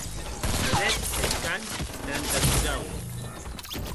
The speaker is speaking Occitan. Vedetz eth cant trenta dusau.